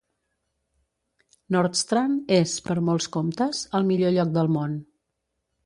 Nordstrand és, per molts comptes, el millor lloc del món.